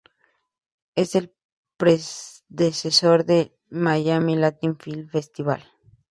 Es el predecesor del "Miami Latin Film Festival".